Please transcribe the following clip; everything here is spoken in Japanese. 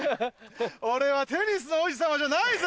俺は『テニスの王子様』じゃないぜ！